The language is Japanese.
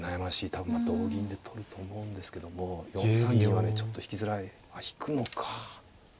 多分同銀で取ると思うんですけども４三銀はねちょっと引きづらい。あっ引くのか。